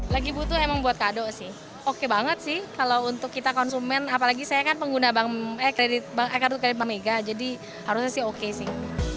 lagi butuh emang buat kado sih oke banget sih kalau untuk kita konsumen apalagi saya kan pengguna kartu kredit bank mega jadi harusnya sih oke sih